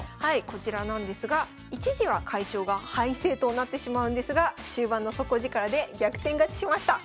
こちらなんですが一時は会長が敗勢となってしまうんですが終盤の底力で逆転勝ちしました。